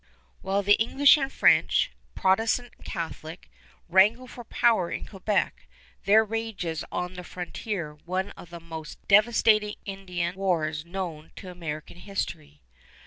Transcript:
While the English and French, Protestant and Catholic, wrangle for power in Quebec there rages on the frontier one of the most devastating Indian wars known to American history.